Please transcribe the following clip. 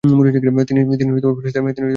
তিনি ফেরেশতাদের অন্তর্ভুক্ত।